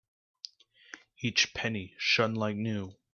Each penny shone like new.